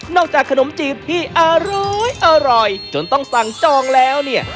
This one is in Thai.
จากขนมจีบที่อร้อยจนต้องสั่งจองแล้วเนี่ย